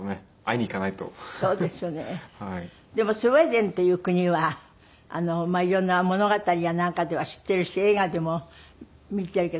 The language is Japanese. でもスウェーデンっていう国は色んな物語やなんかでは知っているし映画でも見ているけど本当に奇麗な国ですよね。